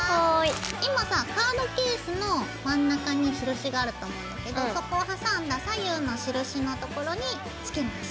今さカードケースの真ん中に印があると思うんだけどそこを挟んだ左右の印のところにつけます。